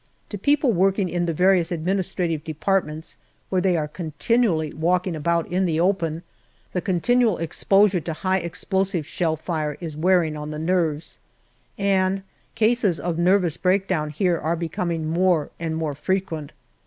To people working in the various administrative departments, where they are continually walking about in the open, the continual ex posure to high explosive shell fire is wearing on the nerves, and cases of nervous breakdown here are becoming more and more frequent.